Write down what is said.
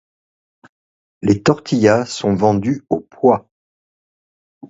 Les tortillas sont vendues au poids.